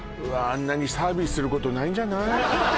あんなにサービスすることないんじゃない？